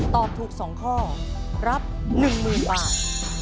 ตอบถูก๒ข้อรับ๑๐๐๐บาท